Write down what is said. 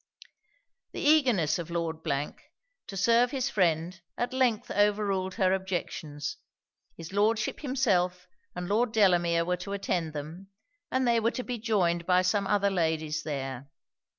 The eagerness of Lord to serve his friend at length over ruled her objections; his Lordship himself and Lord Delamere were to attend them; and they were to be joined by some other ladies there.